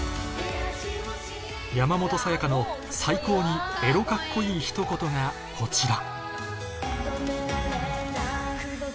山本彩の最高にエロカッコいいひと言がこちら